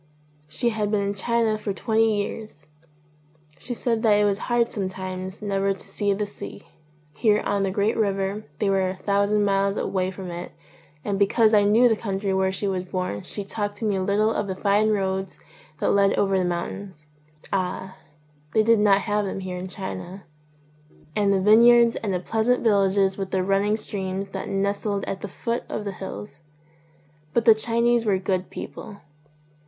She had been in China for twenty years. She said that it was hard sometimes never to see the sea ; here on the great river they were a thousand miles away from it; and because I knew the country where she was born she talked to me a little of the fine roads that led over the mountains — ah, they did not have them here in China — and the vineyards and 64 THE NUN the pleasant villages with their running streams that nestled at the foot of the hills. But the Chinese were good people.